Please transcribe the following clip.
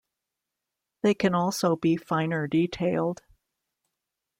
They can also be finer detailed.